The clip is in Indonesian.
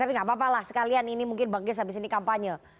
tapi nggak apa apalah sekalian ini mungkin bagus habis ini kampanye